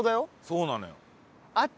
そうなのよ。